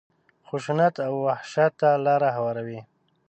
خشونت او وحشت ته لاره هواروي.